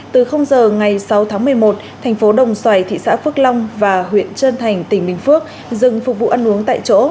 từ giờ ngày sáu tháng một mươi một thành phố đồng xoài thị xã phước long và huyện trơn thành tỉnh bình phước dừng phục vụ ăn uống tại chỗ